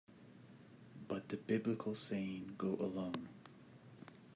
But the Biblical saying Go alone!